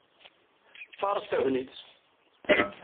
Faṛeṣ tagnit!